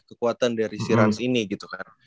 kekuatan dari si ranz ini gitu kan